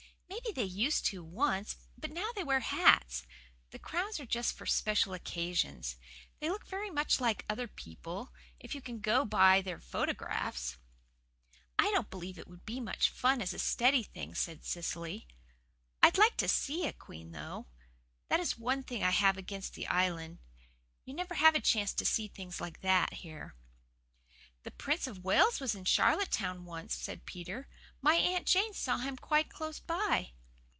"Maybe they used to once, but now they wear hats. The crowns are just for special occasions. They look very much like other people, if you can go by their photographs." "I don't believe it would be much fun as a steady thing," said Cecily. "I'd like to SEE a queen though. That is one thing I have against the Island you never have a chance to see things like that here." "The Prince of Wales was in Charlottetown once," said Peter. "My Aunt Jane saw him quite close by."